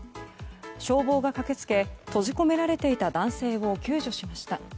消防が駆け付け閉じ込められていた男性を救助しました。